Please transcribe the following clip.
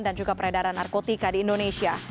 dan juga peredaran narkotika di indonesia